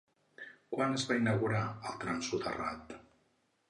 Quan es va inaugurar el tram soterrat?